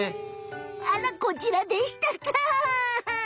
あらこちらでしたか！